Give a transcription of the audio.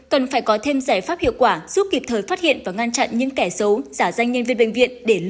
cần phải có thêm giải pháp hiệu quả giúp kịp thời phát hiện và ngăn chặn những kẻ xấu giả danh nhân viên bệnh viện để lừa